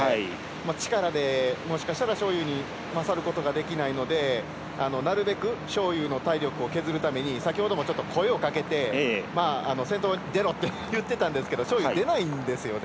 力でもしかしたら章勇に勝ることができないのでなるべく章勇の体力を削るために先ほども声をかけて先頭に出ろって言っていたけど章勇出ないんですよね。